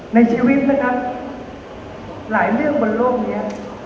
ในชีวิตนะครับหลายเรื่องบนโลกนี้